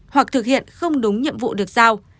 hoặc thực hiện không đúng nhiệm vụ được giao